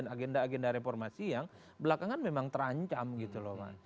ada agenda agenda reformasi yang belakangan memang terancam